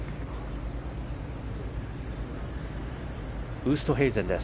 ウーストヘイゼンです。